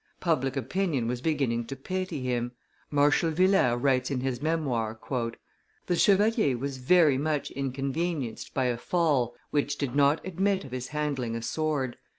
Public opinion was beginning to pity him. Marshal Villars writes in his memoirs, "The chevalier was very much inconvenienced by a fall which did not admit of his handling a sword.